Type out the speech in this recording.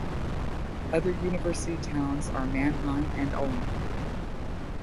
Other university towns are Mannheim and Ulm.